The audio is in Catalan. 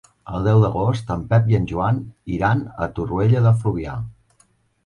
El deu d'agost en Pep i en Joan iran a Torroella de Fluvià.